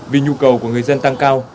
vì nhu cầu của người dân tăng cao